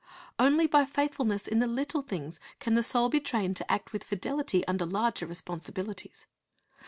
Only by faithfulness in the little things can the soul be trained to act with fidelity under larger responsibilities.